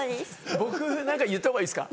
僕何か言ったほうがいいですか？